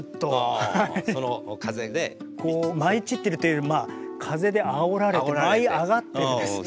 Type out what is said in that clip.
こう舞い散ってるというより風であおられて舞い上がってるんですね。